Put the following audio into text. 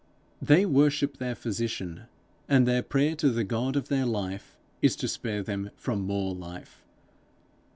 They worship their physician; and their prayer to the God of their life is to spare them from more life.